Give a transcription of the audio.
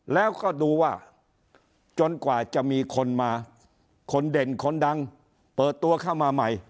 แล้วก็ดูว่าจนกว่าจะมีคนมาคนเด่นคนดังเปิดตัวเข้ามาใหม่